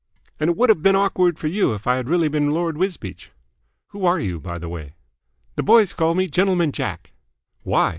"And it would have been awkward for you if I had really been Lord Wisbeach." "Who are you, by the way?" "The boys call me Gentleman Jack." "Why?"